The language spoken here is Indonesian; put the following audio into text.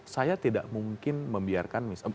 saya tidak mungkin membiarkan misalnya